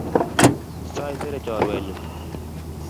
Saisere chorwenyu